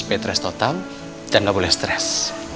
petres total dan gak boleh stres